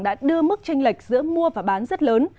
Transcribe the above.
đã đưa mức tranh lệch giữa mua và bán rất lớn